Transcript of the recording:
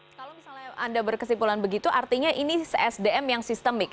kalau misalnya anda berkesimpulan begitu artinya ini sdm yang sistemik